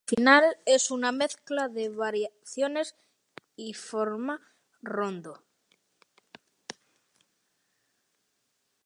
El final es una mezcla de variaciones y forma rondó.